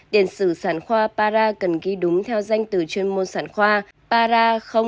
điện sử sản khoa para cần ghi đúng theo danh từ chuyên môn sản khoa para một trăm linh